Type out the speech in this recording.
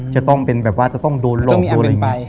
จะต้องเป็นแบบว่าจะต้องโดนลงโดนอะไรอย่างนี้